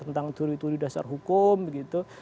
tentang teori teori dasar hukum begitu